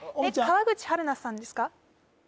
川口春奈さんですか？